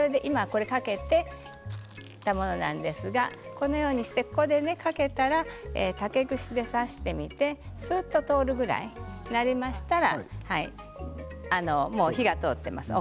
今、かけたものなんですがこのようにして、ここでかけたら竹串で刺してみてすっと通るぐらいになりましたらなりましたら、もう火が通っています。